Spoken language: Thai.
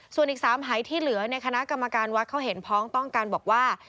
ส่วนอีก๓หายที่เหลือในคณะกรรมการวัดเขาเห็นพ้องต้องการบอกว่า